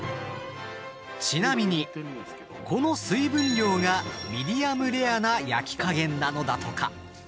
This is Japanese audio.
ちなみにこの水分量がミディアムレアな焼き加減なのだとか。